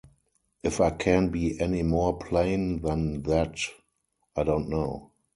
If I can be any more plain than that, I don't know.